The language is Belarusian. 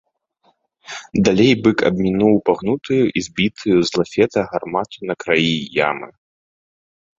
Далей бык абмінуў пагнутую і збітую з лафета гармату на краі ямы.